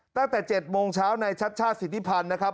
ตั้งแต่๗โมงเช้าในชัดชาติสิทธิพันธ์นะครับ